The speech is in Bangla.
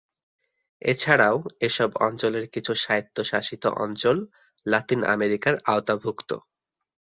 এছাড়াও এসব অঞ্চলের কিছু স্বায়ত্তশাসিত অঞ্চল লাতিন আমেরিকার আওতাভুক্ত।